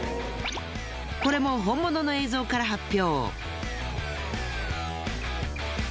これも本物の映像から発表。